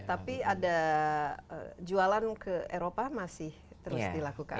tapi ada jualan ke eropa masih terus dilakukan